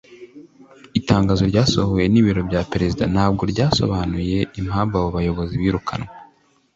Itangazo ryasohowe n’Ibiro bya Perezida ntabwo ryasobanuye impamvu abo bayobozi birukanywe